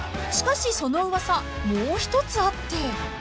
［しかしその噂もう１つあって］